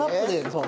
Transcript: そう。